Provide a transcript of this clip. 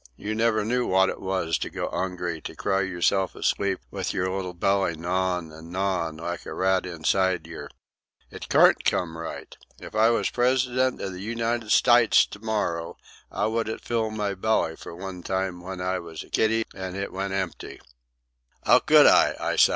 You never knew wot it was to go 'ungry, to cry yerself asleep with yer little belly gnawin' an' gnawin', like a rat inside yer. It carn't come right. If I was President of the United Stytes to morrer, 'ow would it fill my belly for one time w'en I was a kiddy and it went empty? "'Ow could it, I s'y?